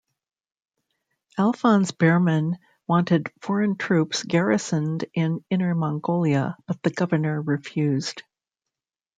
Alfons Bermyn, wanted foreign troops garrisoned in Inner Mongolia, but the Governor refused.